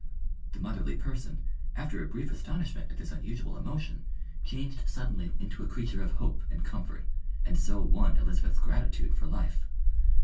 The motherly person, after a brief astonishment at this unusual emotion, changed suddenly into a creature of hope and comfort, and so won Elizabeth's gratitude for life.